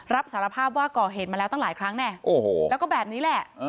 รับสารภาพว่าก่อเหตุมาแล้วตั้งหลายครั้งแน่แล้วก็แบบนี้แหละ